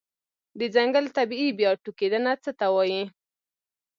د ځنګل طبيعي بیا ټوکیدنه څه ته وایې؟